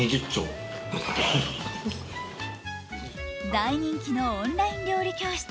大人気のオンライン料理教室。